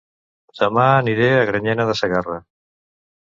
Dema aniré a Granyena de Segarra